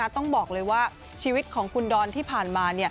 ต้องบอกเลยว่าชีวิตของคุณดอนที่ผ่านมา